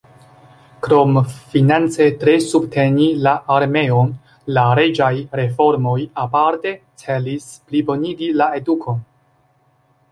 Krom finance tre subteni la armeon, la reĝaj reformoj aparte celis plibonigi la edukon.